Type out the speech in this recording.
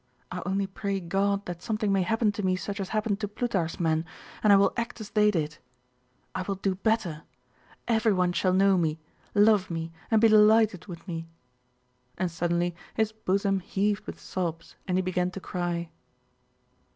I only pray God that something may happen to me such as happened to Plutarch's men, and I will act as they did. I will do better. Everyone shall know me, love me, and be delighted with me!" And suddenly his bosom heaved with sobs and he began to cry.